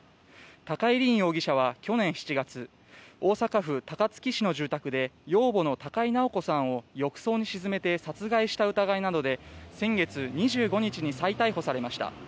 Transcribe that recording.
高井凜容疑者は去年７月大阪府高槻市の住宅で養母の高井直子さんを浴槽に沈めて殺害した疑いなどで先月２５日に再逮捕されました。